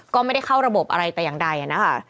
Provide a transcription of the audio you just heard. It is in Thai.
ก็ไม่ได้เข้าระบบอะไรแต่อย่างใดนะคะ